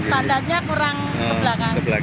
standarnya kurang ke belakang